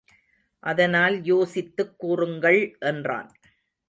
அதனால் யோசித்துக் கூறுங்கள் என்றான்.